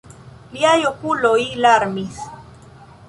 Liaj okuloj larmis.